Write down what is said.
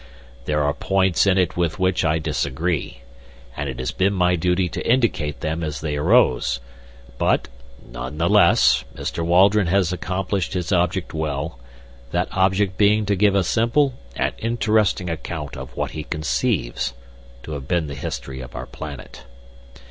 There are points in it with which I disagree, and it has been my duty to indicate them as they arose, but, none the less, Mr. Waldron has accomplished his object well, that object being to give a simple and interesting account of what he conceives to have been the history of our planet.